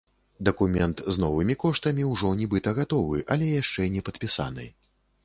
Дакумент з новымі коштамі ўжо, нібыта, гатовы, але яшчэ не падпісаны.